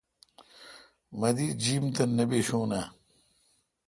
مہ دی جیم تہ نہ بیشون آں؟